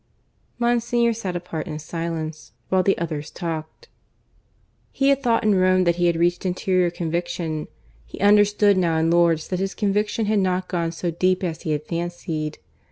Monsignor sat apart in silence, while the others talked. He had thought in Rome that he had reached interior conviction; he understood now in Lourdes that his conviction had not gone so deep as he had fancied.